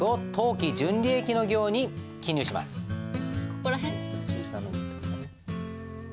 ここら辺？